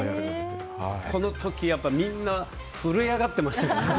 この時は、みんな震え上がってましたから。